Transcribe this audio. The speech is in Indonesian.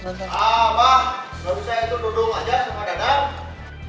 apa baru saya itu duduk aja sama dadar